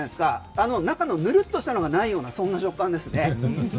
あの中のヌルっとしたのがないようなそんな食感ですね。